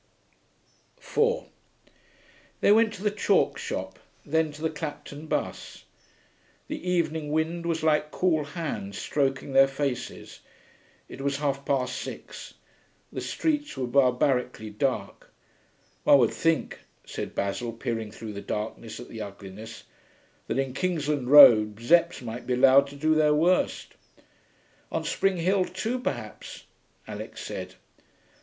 4 They went to the chalk shop, then to the Clapton bus. The evening wind was like cool hands stroking their faces. It was half past six. The streets were barbarically dark. 'One would think,' said Basil, peering through the darkness at the ugliness, 'that in Kingsland Road Zepps might be allowed to do their worst.' 'On Spring Hill too, perhaps,' Alix said.